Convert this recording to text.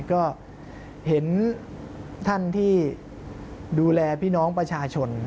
ก็เห็นท่านที่ดูแลพี่น้องประชาชน